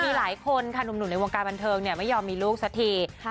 มีหลายคนค่ะหนุ่มในวงการบันเทิงเนี่ยไม่ยอมมีลูกสักที